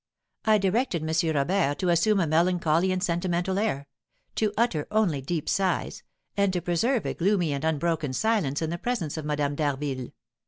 I directed M. Robert to assume a melancholy and sentimental air; to utter only deep sighs, and to preserve a gloomy and unbroken silence in the presence of Madame d'Harville.